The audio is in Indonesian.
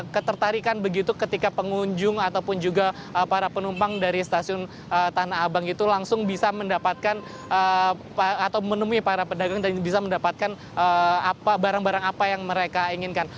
ketertarikan begitu ketika pengunjung ataupun juga para penumpang dari stasiun tanah abang itu langsung bisa mendapatkan atau menemui para pedagang dan bisa mendapatkan barang barang apa yang mereka inginkan